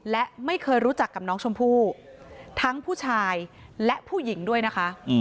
และไม่เคยรู้จักกับน้องชมพู่ทั้งผู้ชายและผู้หญิงด้วยนะคะ